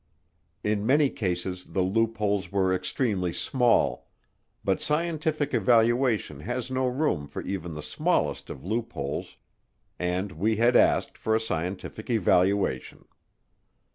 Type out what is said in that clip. In many cases the loopholes were extremely small, but scientific evaluation has no room for even the smallest of loopholes and we had asked for a scientific evaluation.